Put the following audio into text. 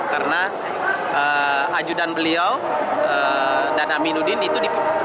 karena ajudan beliau dan aminuddin itu terpaksa